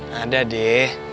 gak ada deh